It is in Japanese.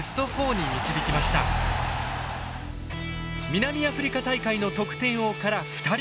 南アフリカ大会の得点王から２人。